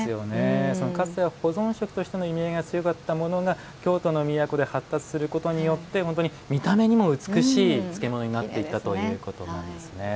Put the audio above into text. かつては保存食としての意味合いが強かったものが京都の都で発達することによって見た目にも美しい漬物になっていったということなんですね。